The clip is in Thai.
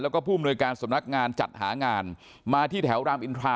แล้วก็ผู้อำนวยการสำนักงานจัดหางานมาที่แถวรามอินทรา